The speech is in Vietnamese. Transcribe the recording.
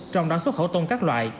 trong đó xuất khẩu tôn các loại